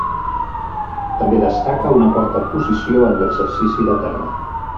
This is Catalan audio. També destaca una quarta posició en l'exercici de terra.